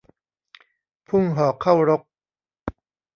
พุ่งหอกเข้ารก